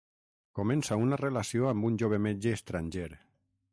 Comença una relació amb un jove metge estranger.